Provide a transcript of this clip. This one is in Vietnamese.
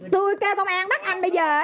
tôi kêu công an bắt anh bây giờ